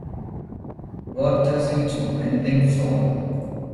What does he do anything for?